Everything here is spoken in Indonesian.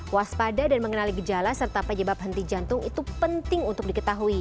waspada dan mengenali gejala serta penyebab henti jantung itu penting untuk diketahui